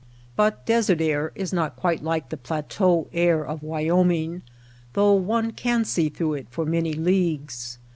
But desert air is not quite like the plateau air of Wyoming, though one can see through it for many leagues.